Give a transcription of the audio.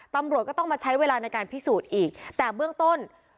ตำรวจก็ต้องมาใช้เวลาในการพิสูจน์อีกแต่เบื้องต้น